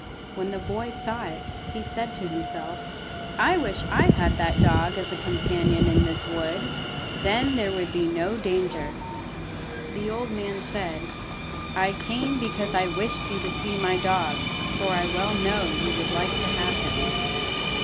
When the boy saw it, he said to himself "I wish I had that dog as a companion in this wood. Then there would be no danger." The old man said "I came because I wished you to see my dog, for I well know you would like to have him."